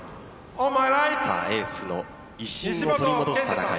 エースの威信を取り戻す戦い。